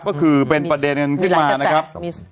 ก็คือเป็นประเด็นขึ้นมานะครับ